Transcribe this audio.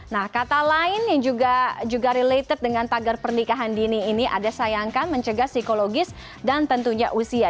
nah kata lain yang juga related dengan tagar pernikahan dini ini ada sayangkan mencegah psikologis dan tentunya usia